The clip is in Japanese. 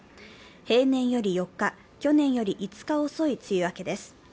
平年より４日、去年より５日遅い梅雨明けです。